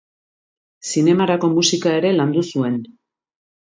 Zinemarako musika ere landu zuen.